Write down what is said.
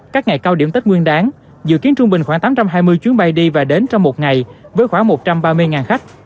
các ngày cao điểm tết nguyên đáng dự kiến trung bình khoảng tám trăm hai mươi chuyến bay đi và đến trong một ngày với khoảng một trăm ba mươi khách